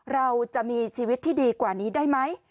เราจะมีชีวิตที่ดีกว่านี้ได้ไหม